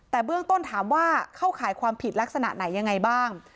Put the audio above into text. แต่เบื้องต้นถามว่าเข้าข่ายความผิดลักษณะไหนยังไงบ้าง